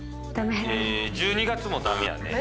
１２月も駄目やね。